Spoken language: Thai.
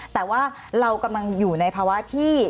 แต่ว่าเรากำลังอยู่ในภาวะที่